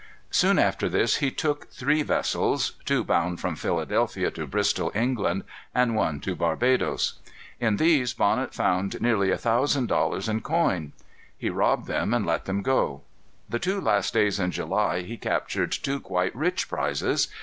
Soon after this he took three vessels, two bound from Philadelphia to Bristol, England, and one to Barbadoes. In these Bonnet found nearly a thousand dollars in coin. He robbed them and let them go. The two last days in July he captured two quite rich prizes.